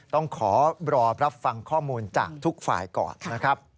ต้องขอรอรับฟังข้อมูลจากทุกฝ่ายก่อนนะครับ